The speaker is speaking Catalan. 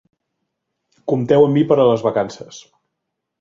Compteu amb mi per a les vacances.